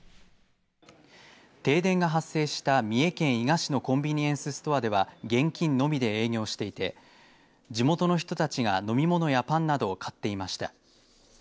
停電が発生した三重県伊賀市のコンビニエンスストアでは現金のみで営業していて地元の人たちが飲み物やパンなどを買っていました。